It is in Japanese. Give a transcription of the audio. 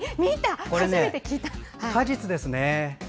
果実ですね。